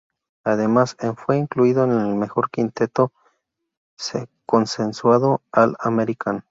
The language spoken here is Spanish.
Además, en fue incluido en el mejor quinteto consensuado All-American.